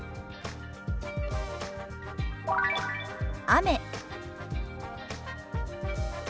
雨。